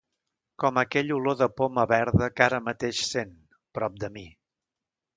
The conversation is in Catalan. Com aquella olor de poma verda que ara mateix sent, prop de mi.